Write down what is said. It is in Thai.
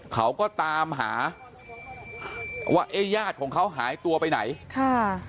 เขาก็ตามหาว่าเอ๊ะญาติของเขาหายตัวไปไหนค่ะ